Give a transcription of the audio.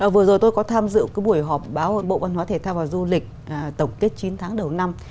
vừa rồi tôi có tham dự cái buổi họp báo bộ văn hóa thể thao và du lịch tổng kết chín tháng đầu năm